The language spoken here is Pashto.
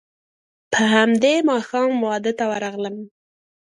په همدې ماښام واده ته ورغلم.